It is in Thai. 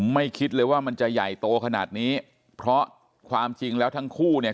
คิดเลยว่ามันจะใหญ่โตขนาดนี้เพราะความจริงแล้วทั้งคู่เนี่ย